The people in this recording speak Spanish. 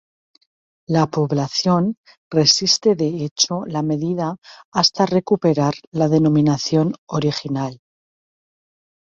La población resiste de hecho la medida hasta recuperar la denominación original.